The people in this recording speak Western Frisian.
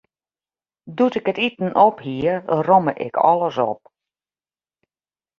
Doe't ik it iten op hie, romme ik alles op.